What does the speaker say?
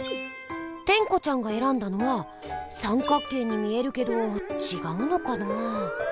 テンコちゃんがえらんだのは三角形に見えるけどちがうのかなぁ？